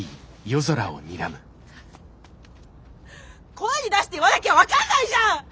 声に出して言わなきゃ分かんないじゃん！